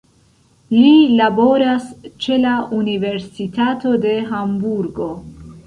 Li laboras ĉe la Universitato de Hamburgo.